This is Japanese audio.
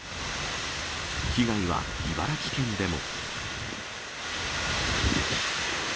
被害は茨城県でも。